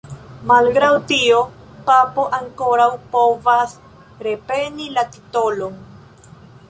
Malgraŭ tio, Papo ankoraŭ povas repreni la titolon.